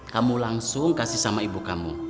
kamu langsung berikan kepada ibu kamu